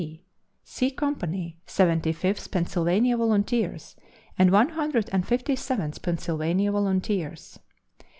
C.), C Company, Seventy fifth Pennsylvania Volunteers and One Hundred and Fifty seventh Pennsylvania Volunteers.